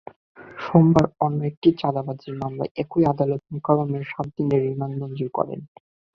সোমবার অন্য একটি চাঁদাবাজির মামলায় একই আদালত মোকাররমের সাত দিনের রিমান্ড মঞ্জুর করেন।